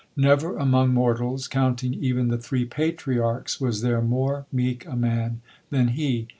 Never among mortals, counting even the three Patriarchs, was there more meek a man than he.